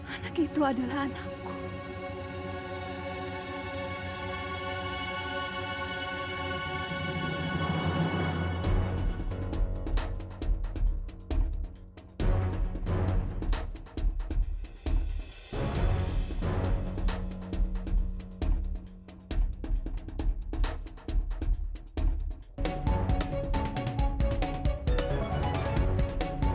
anak itu adalah anakku